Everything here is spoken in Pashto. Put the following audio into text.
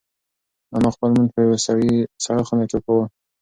انا خپل لمونځ په یوه سړه خونه کې کاوه.